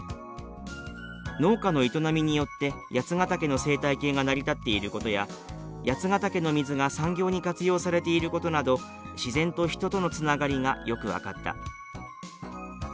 「農家の営みによって八ヶ岳の生態系が成り立っていることや八ヶ岳の水が産業に活用されていることなど自然と人とのつながりがよく分かった」。